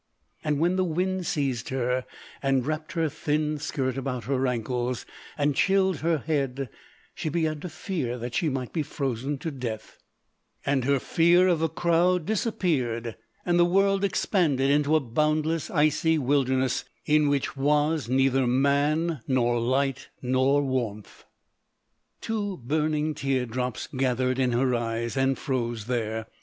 And when the wind seized her, and wrapped her thin skirt about her ankles, and chilled her head, she began to fear that she might be frozen to death; and her fear of a crowd disappeared, and the world expanded into a boundless icy wilderness, in which was neither man, nor light, nor warmth. Two burning tear drops gathered in her eyes, and froze there.